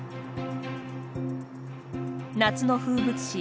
夏の風物詩